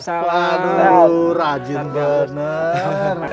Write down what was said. aduh rajin bener